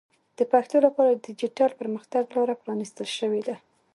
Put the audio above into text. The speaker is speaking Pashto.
د پښتو لپاره د ډیجیټل پرمختګ لاره پرانیستل شوې ده.